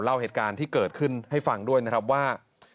เล่าเหตุการณ์ที่เกิดขึ้นให้ฟังด้วยนะครับว่า